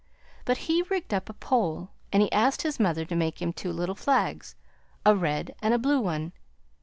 But he rigged up a pole, and he asked his mother to make him two little flags, a red and a blue one.